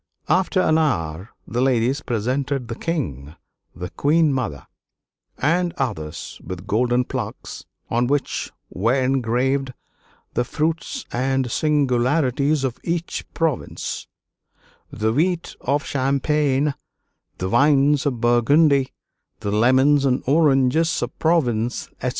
After an hour the ladies presented the King, the Queen Mother, and others with golden plaques, on which were engraved "the fruits and singularities of each province," the wheat of Champagne, the vines of Burgundy, the lemons and oranges of Provence, etc.